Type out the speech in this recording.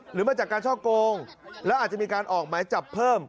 หรือมาจากการช่อโกงแล้วอาจจะมีการออกหมายจับเพิ่ม